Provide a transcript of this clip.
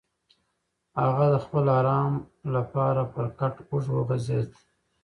هغه د خپل ارام لپاره پر کټ اوږد وغځېد.